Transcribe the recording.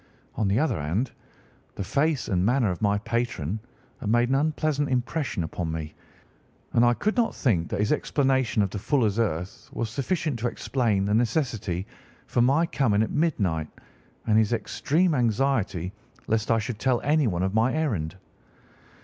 On the other hand, the face and manner of my patron had made an unpleasant impression upon me, and I could not think that his explanation of the fuller's earth was sufficient to explain the necessity for my coming at midnight, and his extreme anxiety lest I should tell anyone of my errand.